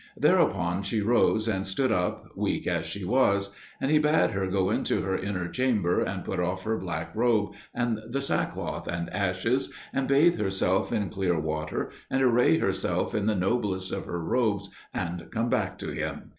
Thereupon she rose and stood up, weak as she was; and he bade her go into her inner chamber and put off her black robe, and the sackcloth and ashes, and bathe herself in clear water, and array herself in the noblest of her robes, and come back to him.